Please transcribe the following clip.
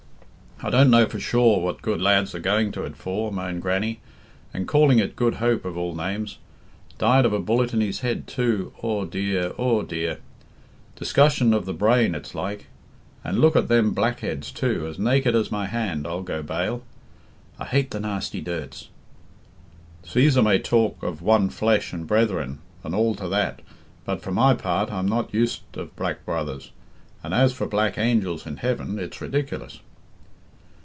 "I don't know for sure what good lads are going to it for," moaned Grannie. "And calling it Good Hope of all names! Died of a bullet in his head, too, aw dear, aw dear! Discussion of the brain it's like. And look at them black heads too, as naked as my hand, I'll go bail. I hate the nasty dirts! Cæsar may talk of one flesh and brethren and all to that, but for my part I'm not used of black brothers, and as for black angels in heaven, it's ridiculous."